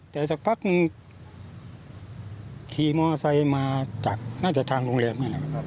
แต่สักพักนึงขี่มอไซค์มาจากน่าจะทางโรงแรมนั่นแหละครับ